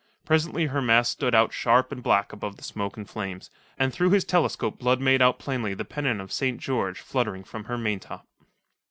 Presently her masts stood out sharp and black above the smoke and flames, and through his telescope Blood made out plainly the pennon of St. George fluttering from her maintop.